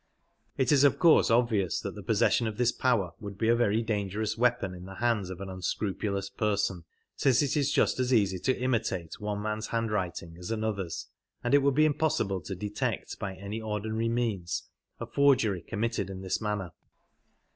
It is of course obvious that the possession of this power would be a very dangerous weapon in the hands of an un scrupulous person, since it is just as easy to imitate one man's handwriting as another's, and it would be impossible to detect by any ordinary means a forgery committed in this manner.